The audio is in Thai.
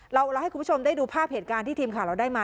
เราให้คุณผู้ชมได้ดูภาพเหตุการณ์ที่ทีมข่าวเราได้มา